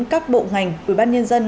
các bộ ngành ủy ban nhân dân